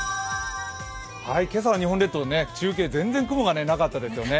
今朝の日本列島、中継全然雲がなかったですよね。